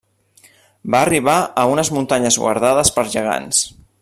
Va arribar a unes muntanyes guardades per gegants.